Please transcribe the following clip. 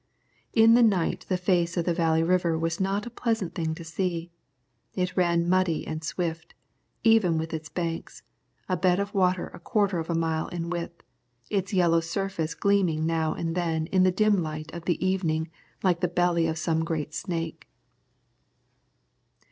In the night the face of the Valley River was not a pleasant thing to see. It ran muddy and swift, even with its banks, a bed of water a quarter of a mile in width, its yellow surface gleaming now and then in the dim light of the evening like the belly of some great snake.